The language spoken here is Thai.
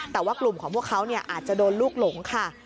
แต่ว่ากลุ่มของพวกเขาอาจจะโดนลูกหลงค่ะ